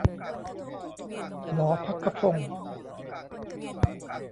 หมอภัคพงศ์